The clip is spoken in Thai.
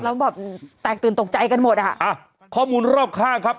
แล้วแบบแตกตื่นตกใจกันหมดอ่ะข้อมูลรอบข้างครับ